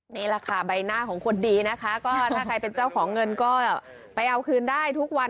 นี่แหละค่ะใบหน้าของคนดีนะคะก็ถ้าใครเป็นเจ้าของเงินก็ไปเอาคืนได้ทุกวัน